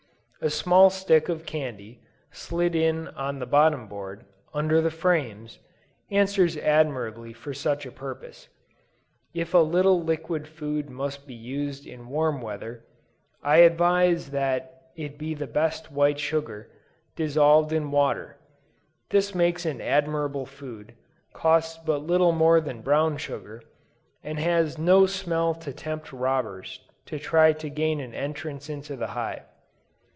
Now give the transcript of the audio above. A small stick of candy, slid in on the bottom board, under the frames, answers admirably for such a purpose. If a little liquid food must be used in warm weather, I advise that it be the best white sugar, dissolved in water; this makes an admirable food; costs but little more than brown sugar, and has no smell to tempt robbers to try to gain an entrance into the hive.